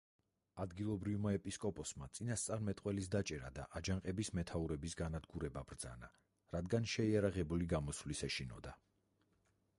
ადგილობრივმა ეპისკოპოსმა წინასწარმეტყველის დაჭერა და აჯანყების მეთაურების განადგურება ბრძანა, რადგან შეიარაღებული გამოსვლის ეშინოდა.